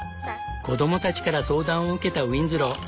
子どもたちから相談を受けたウィンズロー。